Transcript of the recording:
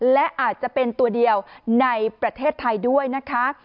และอาจจะเป็นตัวเดียวในประเทศไทยด้วยนะคะ